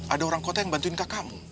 ada orang kota yang bantuin kak kamu